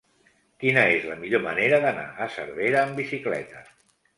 Quina és la millor manera d'anar a Cervera amb bicicleta?